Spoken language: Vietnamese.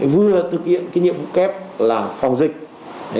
vừa thực hiện nhiệm vụ kép là phòng dịch